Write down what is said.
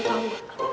kalian berdua tau gak